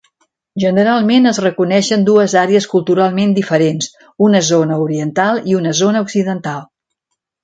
Generalment es reconeixen dues àrees culturalment diferents, una zona oriental i una zona occidental.